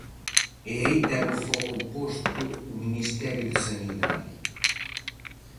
E aí ten o foco posto o Ministerio de Sanidade.